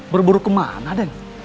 berburu kemana den